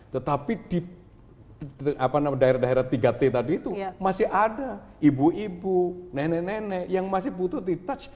tetapi di daerah daerah tiga t tadi itu masih ada ibu ibu nenek nenek yang masih butuh di touch